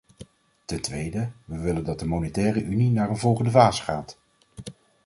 Ten tweede: we willen dat de monetaire unie naar een volgende fase gaat.